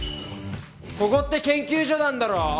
ここって研究所なんだろ？